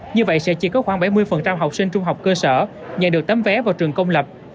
như vậy sẽ chỉ có khoảng bảy mươi học sinh trung học cơ sở nhận được tấm vé vào trường công lập